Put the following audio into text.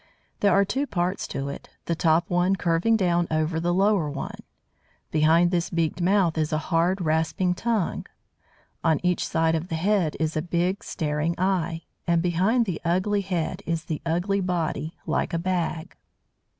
There are two parts to it, the top one curving down over the lower one. Behind this beaked mouth is a hard, rasping tongue. On each side of the head is a big, staring eye; and behind the ugly head is the ugly body, like a bag.